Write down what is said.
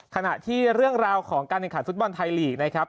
ขณะที่เรื่องราวของการแข่งขันฟุตบอลไทยลีกนะครับ